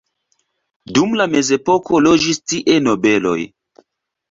Dum la mezepoko loĝis tie nobeloj.